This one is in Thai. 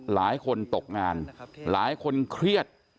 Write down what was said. หลายคนตกงานหลายคนเครียด